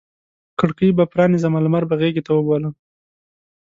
کړکۍ به پرانیزمه لمر به غیږته وبولمه